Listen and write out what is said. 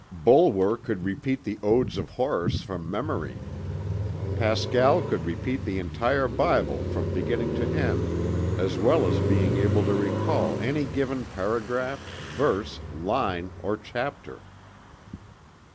Bulwer could repeat the Odes of Horace from memory. Pascal could repeat the entire Bible, from beginning to end, as well as being able to recall any given paragraph, verse, line, or chapter.